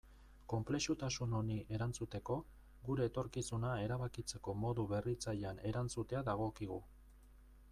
Konplexutasun honi erantzuteko, gure etorkizuna erabakitzeko modu berritzailean erantzutea dagokigu.